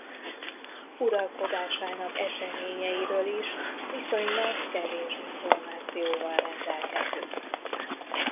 Uralkodásának eseményeiről is viszonylag kevés információval rendelkezünk.